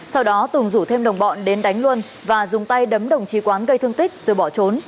sau đó tùng rủ thêm đồng bọn đến đánh luân và dùng tay đấm đồng chí quán gây thương tích rồi bỏ trốn